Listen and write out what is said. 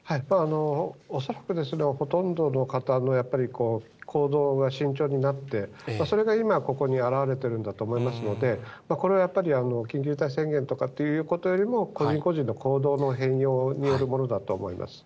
恐らくほとんどの方の行動が慎重になって、それが今、ここに表れているんだと思いますので、これはやっぱり、緊急事態宣言とかということよりも、個人個人の行動の変容によるものだと思います。